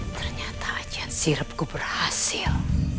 ternyata aji sirupku berhasil